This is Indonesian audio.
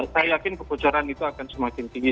saya yakin kebocoran itu akan semakin tinggi